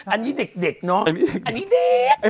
อันนี้เด็กเนอะอันนี้เด็ก